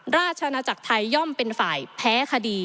ราชนาจักรไทยย่อมเป็นฝ่ายแพ้คดี